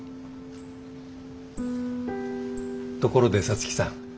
ところで皐月さん。